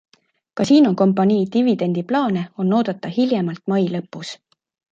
Kasiinokompanii dividendiplaane on oodata hiljemalt mai lõpus.